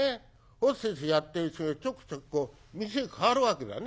ホステスやってる人ちょくちょくこう店変わるわけだね。